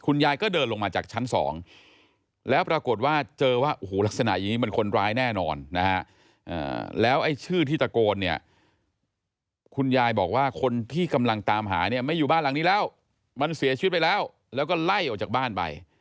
ยายก็เดินลงมาจากชั้น๒แล้วปรากฏว่าเจอว่าโอ้โหลักษณะอย่างนี้มันคนร้ายแน่นอนนะฮะแล้วไอ้ชื่อที่ตะโกนเนี่ยคุณยายบอกว่าคนที่กำลังตามหาเนี่ยไม่อยู่บ้านหลังนี้แล้วมันเสียชีวิตไปแล้วแล้วก็ไล่ออกจากบ้านไป